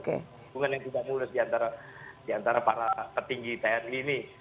hubungan yang tidak mulus diantara para petinggi tni ini